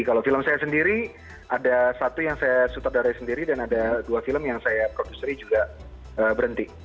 kalau film saya sendiri ada satu yang saya sutradarai sendiri dan ada dua film yang saya produser juga berhenti